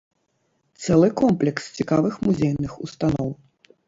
Цэлы комплекс цікавых музейных устаноў.